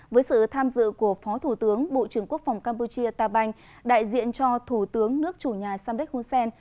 với sự tham dự của phó thủ tướng bộ trưởng quốc phòng campuchia ta banh đại diện cho thủ tướng nước chủ nhà samdek hun sen